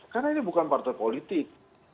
karena mereka bukan partai politik